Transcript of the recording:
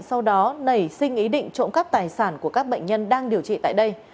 sau đó nảy sinh ý định trộm cắp tài sản của các bệnh nhân đang điều trị tại đây